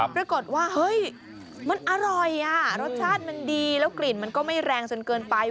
ปรากฏว่าเฮ้ยมันอร่อยอ่ะรสชาติมันดีแล้วกลิ่นมันก็ไม่แรงจนเกินไป